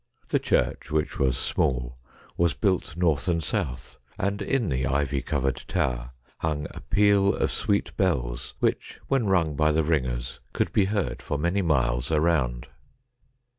The church, which was small, was built north and south, and in the ivy covered tower hung a peal of sweet bells, which, when rung by the ringers, could be heard for many miles around.